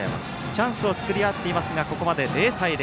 チャンスを作り合っていますがここまで０対０。